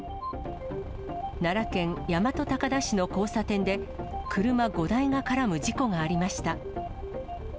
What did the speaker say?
奈良県大和高田市の交差点で、車５台が絡む事故がありました。